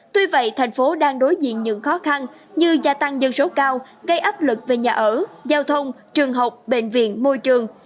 tuy vậy thành phố đang đối diện những khó khăn như gia tăng dân số cao gây áp lực về nhà ở giao thông trường học bệnh viện môi trường